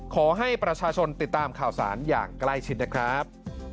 ขอให้ประชาชนติดตามข่าวสารอย่างใกล้ชิดนะครับ